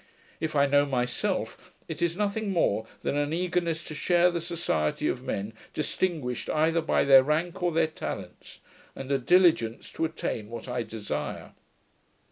If I know myself, it is nothing more than an eagerness to share the society of men distinguished either by their rank or their talents, and a diligence to attain what I desire.